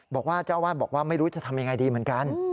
บอกว่าเจ้าอาวาสบอกว่าไม่รู้จะทำยังไงดีเหมือนกัน